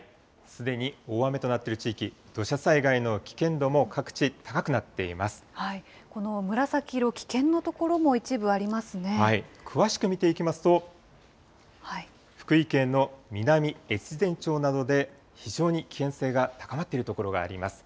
すでに大雨となっている地域、土砂災害の危険度も各地、高くなこの紫色、危険の所も一部あ詳しく見ていきますと、福井県の南越前町などで非常に危険性が高まっている所があります。